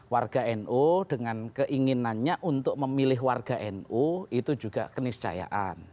warga nu dengan keinginannya untuk memilih warga nu itu juga keniscayaan